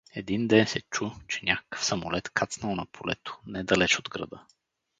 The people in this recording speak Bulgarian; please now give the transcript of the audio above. Един ден се чу, че някакъв самолет кацнал на полето, недалеч от града.